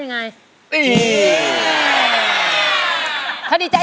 ร้องได้ไข่ล้าง